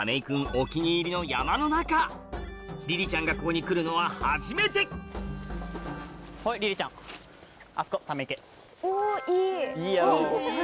お気に入りの山の中リリちゃんがここに来るのは初めていいやろ？